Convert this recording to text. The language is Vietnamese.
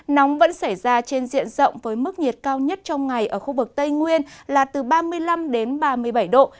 nóng vẫn xảy ra trên diện rộng với mức nhiệt cao nhất trong ngày ở khu vực tây nguyên là từ ba mươi năm đến ba mươi bảy độ